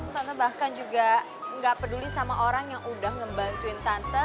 tante bahkan juga nggak peduli sama orang yang udah ngebantuin tante